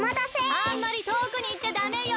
・あんまりとおくにいっちゃダメよ！